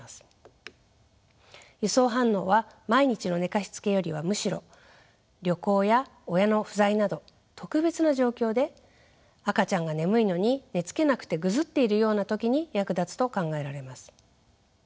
輸送反応は毎日の寝かしつけよりはむしろ旅行や親の不在など特別な状況で赤ちゃんが眠いのに寝つけなくてぐずっているような時に役立つと考えられます。